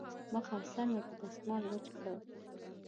مخ او سر مې په دستمال وچ کړل.